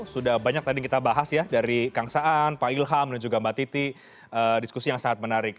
sudah banyak tadi kita bahas ya dari kang saan pak ilham dan juga mbak titi diskusi yang sangat menarik